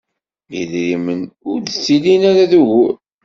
Idrimen ur d-ttilin ara d ugur.